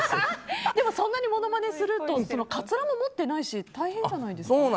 そんなにものまねするとカツラも持ってないし大変じゃないですか？